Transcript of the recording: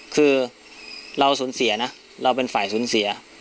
คือเราสูญเสียนะเราเป็นฝ่ายสูญเสีย